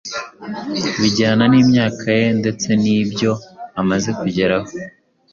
bijyana n’imyaka ye ndetse n’ibyo amaze kugeraho